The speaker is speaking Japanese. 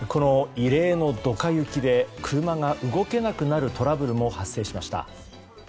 異例のドカ雪で車が動けなくなるトラブルも発生しました。